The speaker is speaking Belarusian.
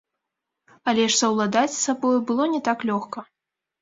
Але ж саўладаць з сабою было не так лёгка.